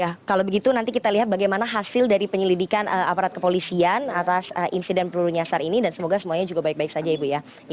ya kalau begitu nanti kita lihat bagaimana hasil dari penyelidikan aparat kepolisian atas insiden peluru nyasar ini dan semoga semuanya juga baik baik saja ibu ya